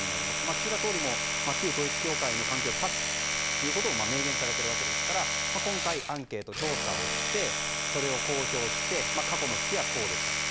岸田総理も旧統一教会との関係を断つと明言されているわけですから今回、アンケート調査をしてそれを公表して過去の付き合いはこうでしたと。